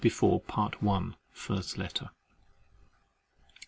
(See before, Part I. first letter.)